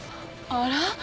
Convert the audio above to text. あら！？